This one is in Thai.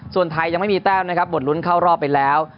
ส่วนไทยยังไม่มีแต้มนะครับหมดลุ้นเข้ารอบไปแล้ว